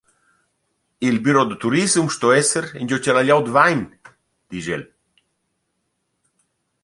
«Il büro da turissem sto esser ingio cha la glieud vain», disch el.